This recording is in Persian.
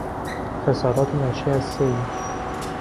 خسارات ناشی از سیل